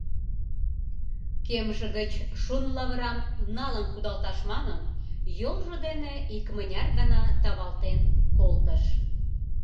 Кемже гыч шун лавырам налын кудалташ манын, йолжо дене икмыняр гана тавалтен колтыш.